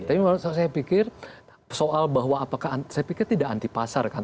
tapi saya pikir soal bahwa apakah saya pikir tidak anti pasar kan